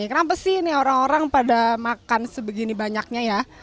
kenapa sih ini orang orang pada makan sebegini banyaknya ya